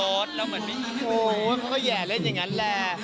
โอ้เขาก็แหย่เล่นอย่างนั้นแหละ